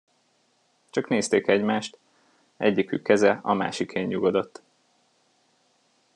Csak nézték egymást, egyikük keze a másikén nyugodott.